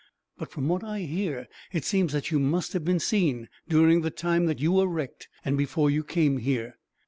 But from what I hear, it seems that you must have been seen, during the time that you were wrecked, and before you came here.